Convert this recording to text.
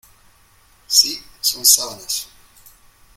Sí, son sábanas.